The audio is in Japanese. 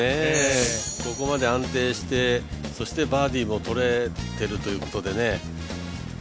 ここまで安定して、そしてバーディーもとれてるということでね